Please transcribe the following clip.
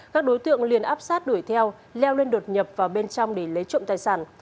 các đối tượng liền áp sát đuổi theo leo lên đột nhập vào bên trong để lấy trộm tài sản